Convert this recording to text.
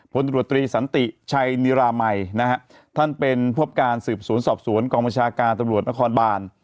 ตรวจตรีสันติชัยนิรามัยนะฮะท่านเป็นพบการสืบสวนสอบสวนกองบัญชาการตำรวจนครบาน